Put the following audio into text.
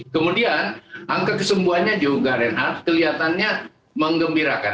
kemudian angka kesembuhannya juga reinhard kelihatannya mengembirakan